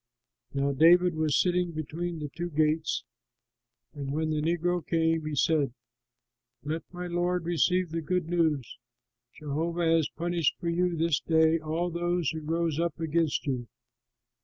Now David was sitting between the two gates, and when the negro came, he said, "Let my lord receive the good news; Jehovah has punished for you this day all those who rose up against you.'"